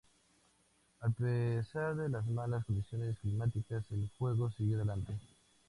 A pesar de las malas condiciones climáticas, el juego siguió adelante.